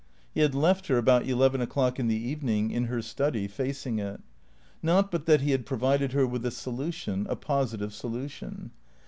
He had left her, abo.ut eleven o'clock in the evening, in her study, facing it. Not but that he had provided her with a solution, a positive solution.